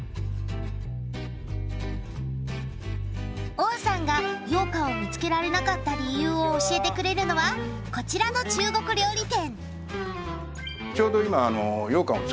王さんが羊羹を見つけられなかった理由を教えてくれるのはこちらの中国料理店。